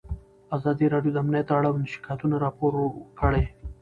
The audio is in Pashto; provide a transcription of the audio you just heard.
ازادي راډیو د امنیت اړوند شکایتونه راپور کړي.